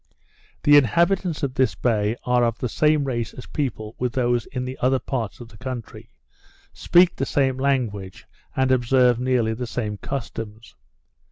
The inhabitants of this bay are of the same race of people with those in the other parts of this country, speak the same language, and observe nearly the same customs.